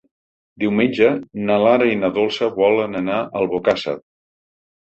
Diumenge na Lara i na Dolça volen anar a Albocàsser.